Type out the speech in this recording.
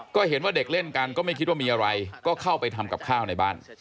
ก็เห็นว่าเด็กเล่นกันก็ไม่คิดว่ามีอะไรก็เข้าไปทำกับข้าวในบ้าน